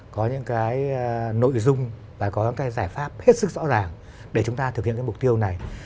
có những nội dung và có giải pháp hết sức rõ ràng để chúng ta thực hiện mục tiêu này